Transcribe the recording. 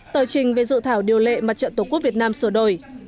tờ trình về dự thảo điều lệ mặt trận tổ quốc việt nam sửa đổi